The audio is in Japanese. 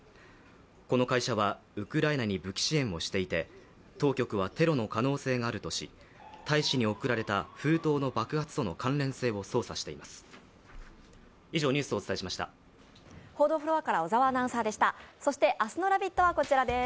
この会社はウクライナに武器支援をしていて当局はテロの可能性があるとし大使に送られた封筒の爆発との関連性を捜査しています。